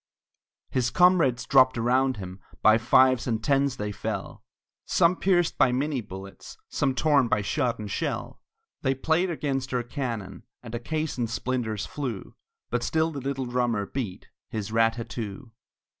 His comrades dropped around him, By fives and tens they fell, Some pierced by minie bullets, Some torn by shot and shell; They played against our cannon, And a caisson's splinters flew; But still the little drummer beat His rat tat too!